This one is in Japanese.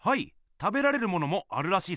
食べられるものもあるらしいっすよ。